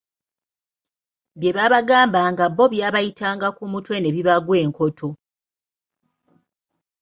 Bye baabagambanga bo byabayitanga ku mutwe ne bibagwa enkoto.